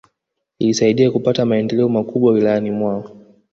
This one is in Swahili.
Ilisaidia kupata maendeleo makubwa Wilayani mwao